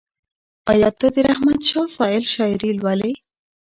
ایا ته د رحمت شاه سایل شاعري لولې؟